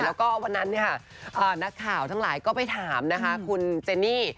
แล้วก็วันนั้นเนี่ยค่ะเอ่อนนักข่าวทั้งหลายก็ไปถามนะคะคุณเจนี่